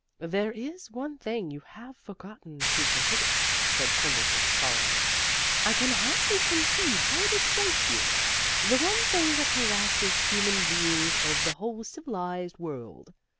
"There is one thing you have forgotten to prohibit," said Quimbleton solemnly. "I can hardly conceive how it escaped you. The one thing that harasses human beings over the whole civilized world.